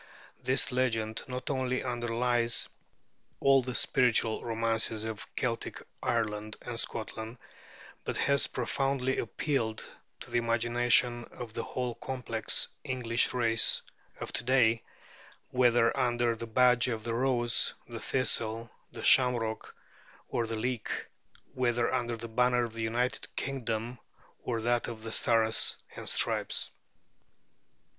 This legend not only underlies all the spiritual romances of Celtic Ireland and Scotland, but has profoundly appealed to the imagination of the whole complex English race of to day, whether under the badge of the rose, the thistle, the shamrock, or the leek, whether under the banner of the United Kingdom or that of the Stars and Stripes.